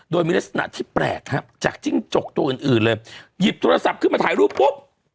โดยมีลักษณะที่แปลกครับจากจิ้งจกตัวอื่นอื่นเลยหยิบโทรศัพท์ขึ้นมาถ่ายรูปปุ๊บ